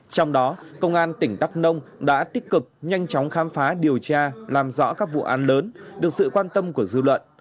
trong đó công an tỉnh đắk nông đã tích cực nhanh chóng khám phá điều tra làm rõ các vụ án lớn được sự quan tâm của dư luận